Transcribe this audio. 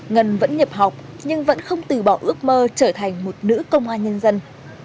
ngân vẫn nhập học nhưng vẫn không từ bỏ ước mơ trở thành một nữ công an nhân dân